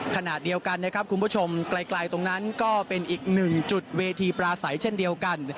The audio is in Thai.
ขณะเดียวกันนะครับคุณผู้ชมไกลตรงนั้นก็เป็นอีกหนึ่งจุดเวทีปลาใสเช่นเดียวกัน